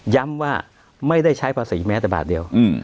ย้ำว่าไม่ได้ใช้ภาษีแม้แต่บาทเดียว